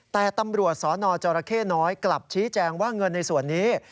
แต่ตำรวจสนจรเข้น้อยกลับชี้แจงว่าเงินในส่วนนี้